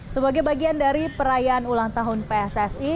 sebagai bagian dari perayaan ulang tahun pssi